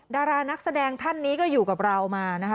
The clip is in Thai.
ดารานักแสดงท่านนี้ก็อยู่กับเรามานะคะ